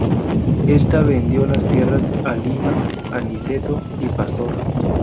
Ésta vendió las tierras a Lima, Aniceto y Pastor.